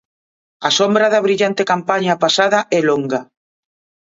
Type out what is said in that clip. A sombra da brillante campaña pasada é longa.